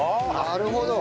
なるほど！